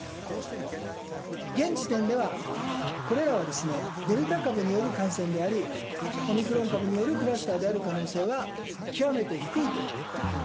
現時点では、これらはデルタ株による感染であり、オミクロン株によるクラスターである可能性は極めて低いと。